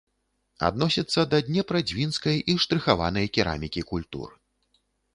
Адносіцца да днепра-дзвінскай і штрыхаванай керамікі культур.